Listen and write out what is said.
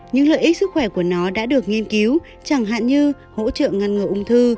những lợi ích sức khỏe của nó đã được nghiên cứu chẳng hạn như hỗ trợ ngăn ngừa ung thư